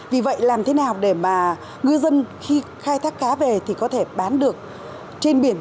vì vậy làm thế nào để mà ngư dân khi khai thác cá về thì có thể bán được trên biển